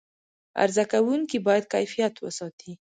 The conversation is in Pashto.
عرضه کوونکي باید کیفیت وساتي.